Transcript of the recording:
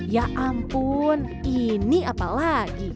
ya ampun ini apa lagi